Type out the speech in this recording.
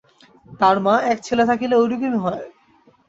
তা মা, এক ছেলে থাকিলে ঐরকমই হয়।